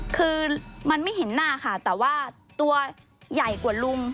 คือมันไม่เห็นหน้าค่ะแต่ว่าตัวใหญ่กว่าลุง